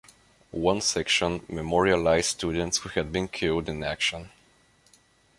One section memorialized students who had been killed in action.